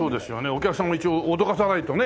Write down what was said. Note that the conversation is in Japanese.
お客さんも一応脅かさないとね。